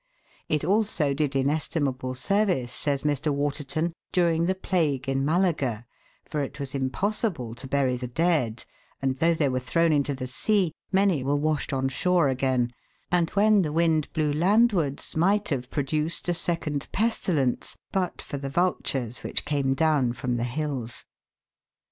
It also did inestimable service, says Mr. Waterton, during the plague in Malaga, for it was impossible to bury the dead, and though they were thrown into the sea, many were washed on shore again, and when the wind blew landwards might have produced a second pestilence but for the vultures which came down from the hills.